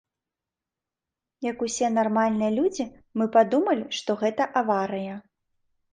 Як усе нармальныя людзі, мы падумалі, што гэта аварыя.